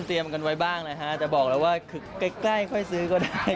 ก็เตรียมกันไว้บ้างนะครับแต่ผมก็บอกครับว่าใกล้ค่อยซื้อก็ได้